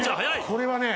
これはね